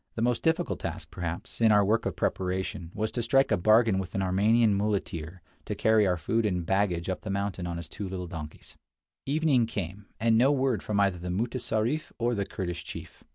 The most difficult task, perhaps, in our work of preparation was to strike a bargain with an Armenian muleteer to carry our food and baggage up the mountain on his two little donkeys. WHERE THE "ZAPTIEHS" WERE NOT A NUISANCE. Evening came, and no word from either the mutessarif or the Kurdish chief.